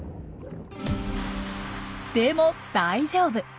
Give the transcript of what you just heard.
でも大丈夫。